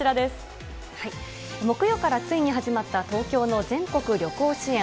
木曜からついに始まった、東京の全国旅行支援。